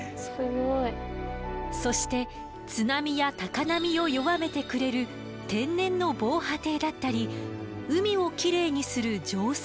そして津波や高波を弱めてくれる天然の防波堤だったり海をきれいにする浄水器だったり。